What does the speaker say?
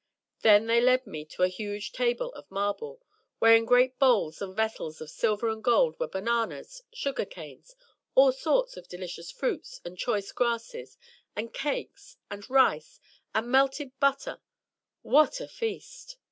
Then they led me to a huge table of marble, where in great bowls and vessels of silver and gold were bananas, sugar canes, all sorts of delicious fruits, and choice grasses — and cakes — and rice — and melted butter — What a feast!